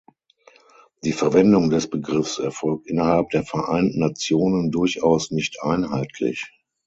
Die Verwendung des Begriffs erfolgt innerhalb der Vereinten Nationen durchaus nicht einheitlich.